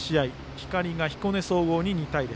光が彦根総合に２対０。